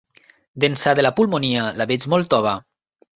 D'ençà de la pulmonia la veig molt tova.